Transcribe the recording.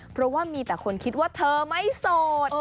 เพราะว่ามีแต่คนคิดว่าเธอไม่โสด